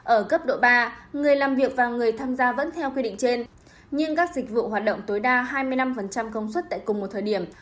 ở cấp độ ba người làm việc và người tham gia vẫn theo quy định trên nhưng các dịch vụ hoạt động tối đa hai mươi năm công suất tại cùng một thời điểm